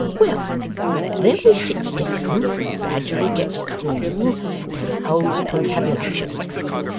Well! Then we sits down, gradually gets cool, and holds a confabulation.